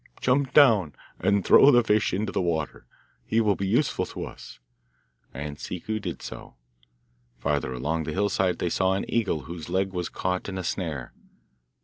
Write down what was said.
'Jump down, and throw the fish into the water; he will be useful to us,' and Ciccu did so. Farther along the hillside they saw an eagle whose leg was caught in a snare.